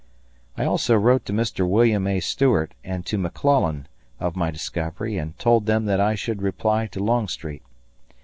I also wrote to Mr. Wm. A. Stuart and to McClellan of my discovery and told them that I should reply to Longstreet.